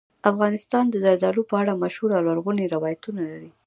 افغانستان د زردالو په اړه مشهور او لرغوني روایتونه لري.